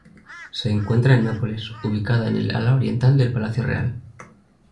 Se encuentra en Nápoles, ubicada en el ala oriental del Palacio Real.